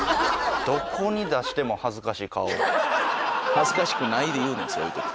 「恥ずかしくない」で言うねんそういうとき。